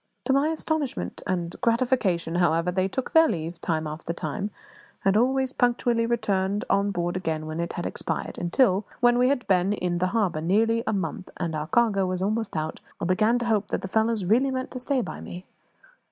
To my astonishment and gratification, however, they took their leave time after time, and always punctually turned up on board again when it had expired; until, when we had been in the harbour nearly a month, and our cargo was almost out, I began to hope that the fellows really meant to stay by me.